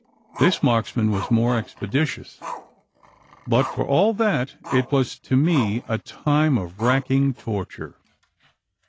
This marksman was more expeditious; but for all that, it was to me a time of racking torture.